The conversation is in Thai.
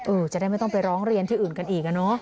จะได้ไม่ต้องไปร้องเรียนที่อื่นกันอีกอ่ะเนอะ